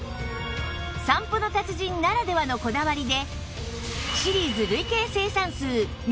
散歩の達人ならではのこだわりで